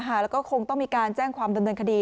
แล้วก็คงต้องมีการแจ้งความดำเนินคดี